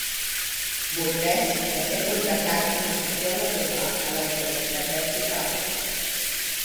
Burgess va ser contractat com a sociòleg urbà a la Universitat de Chicago.